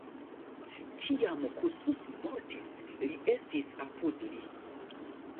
Kiam Kossuth mortis, li estis apud li.